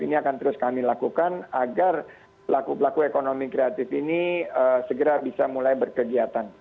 ini akan terus kami lakukan agar pelaku pelaku ekonomi kreatif ini segera bisa mulai berkegiatan